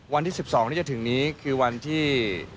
วันที่๑๒ที่จะถึงนี้คือวันที่